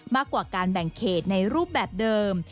มากกว่าการแบ่งเขตในรูปแบบเดิม